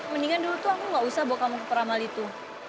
mendingan dulu tuh aku nggak usah bawa kamu ke peramal itu